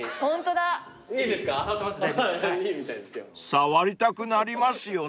［触りたくなりますよね］